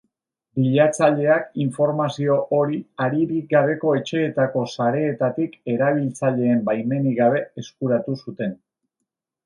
Bilatzaileak informazio hori haririk gabeko etxeetako sareetatik erabiltzaileen baimenik gabe eskuratu zuten.